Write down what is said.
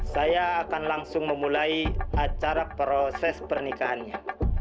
saya akan langsung memulai acara proses pernikahannya